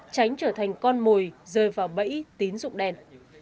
tránh trở thành con mồi rơi vào bẫy tín dụng đen